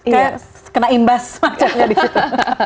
kayak kena imbas macetnya di situ